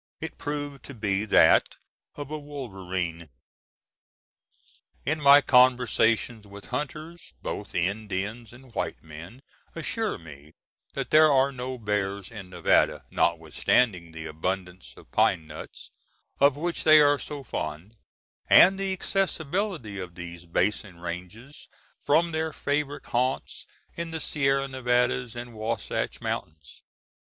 It proved to be that of a wolverine. In my conversations with hunters, both Indians and white men assure me that there are no bears in Nevada, notwithstanding the abundance of pine nuts, of which they are so fond, and the accessibility of these basin ranges from their favorite haunts in the Sierra Nevada and Wahsatch Mountains.